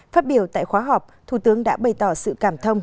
phát biểu tại khóa họp thủ tướng đã bày tỏ sự cảm thông